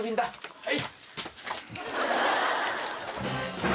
はい。